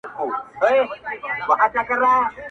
بیا اوښتی میکدې ته مي نن پام دی,